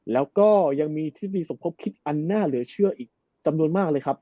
แล้วก็ยังมีทฤษฎีสมคบคิดอันน่าเหลือเชื่ออีกจำนวนมากเลยครับ